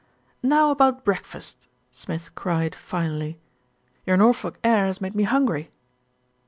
"Now about breakfast," Smith cried finally. "Your Norfolk air has made me hungry."